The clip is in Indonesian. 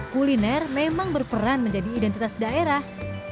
kuliner memang berperan menjadi identitas daerah